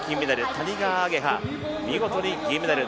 谷川亜華葉、見事に銀メダル。